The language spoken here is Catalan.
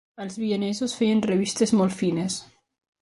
Els Vienesos feien revistes molt fines.